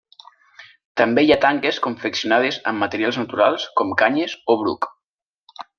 També hi ha tanques confeccionades amb materials naturals com canyes o bruc.